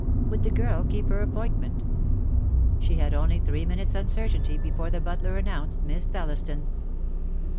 "Would the girl keep her appointment?" She had only three minutes' uncertainty before the butler announced Miss Thelliston.